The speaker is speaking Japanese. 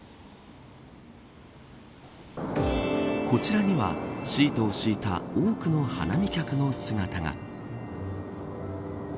こちらにはシートを敷いた多くの花見客の姿が。